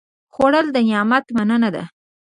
خوړل د نعمت مننه ده